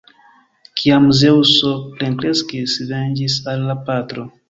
Kiam Zeŭso plenkreskis, venĝis al la patro.